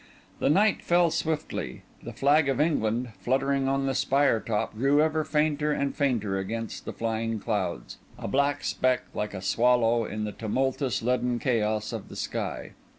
The night fell swiftly; the flag of England, fluttering on the spire top, grew ever fainter and fainter against the flying clouds—a black speck like a swallow in the tumultuous, leaden chaos of the sky.